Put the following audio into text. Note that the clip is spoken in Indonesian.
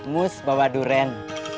mus bawa durian